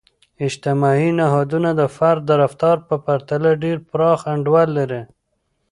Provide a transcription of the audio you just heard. اجتماعي نهادونه د فرد د رفتار په پرتله ډیر پراخ انډول لري.